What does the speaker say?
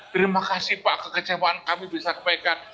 terima kasih pak kekecewaan kami bisa sampaikan